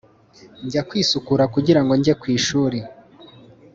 njya kwisukura kugira ngo nge kw ishuri